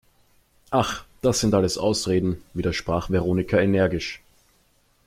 Ach, das sind alles Ausreden!, widersprach Veronika energisch.